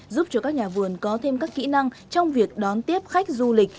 giúp cho các nhà vườn có thêm các kỹ năng trong việc đón tiếp khách du lịch